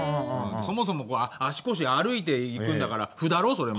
そもそも足腰歩いていくんだから「歩」だろそれも。